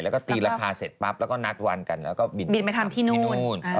แล้วก็ตีราคาเสร็จปรับแล้วก็นัดวันกันแล้วก็บินไปทำที่โรงพยาบาล